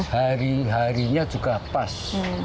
hari harinya juga pas